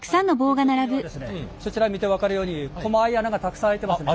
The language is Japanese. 金属にはですねそちら見て分かるようにこまい穴がたくさん開いてますね。